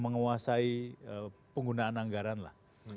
menguasai penggunaan anggaran lah